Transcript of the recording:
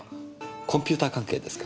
コンピューター関係ですか？